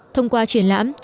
thông qua triển lãm